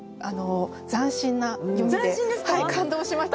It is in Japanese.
斬新な読みで感動しました。